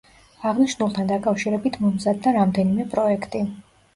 აღნიშნულთან დაკავშირებით მომზადდა რამდენიმე პროექტი.